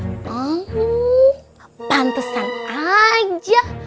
oh pantesan aja